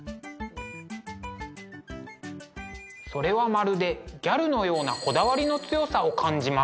それはまるでギャルのようなこだわりの強さを感じます。